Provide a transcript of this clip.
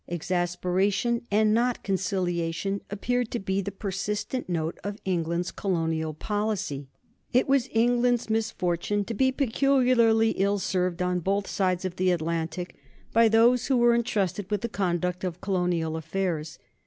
Exasperation and not conciliation appeared to be the persistent note of England's colonial policy. It was England's misfortune to be peculiarly ill served on both sides of the Atlantic by those who were intrusted with the conduct of colonial affairs.